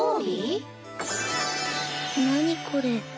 何これ？